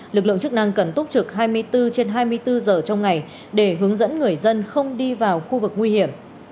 lực lượng chức năng cần túc trực hai mươi bốn trên hai mươi bốn giờ trong ngày để hướng dẫn người dân không đi vào khu vực nguy hiểm